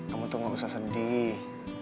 kamu tuh gak usah sedih